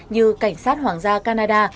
như cảnh sát hoàng gia canada